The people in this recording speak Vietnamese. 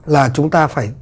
là chúng ta phải